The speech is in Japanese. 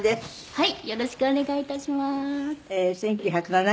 はい。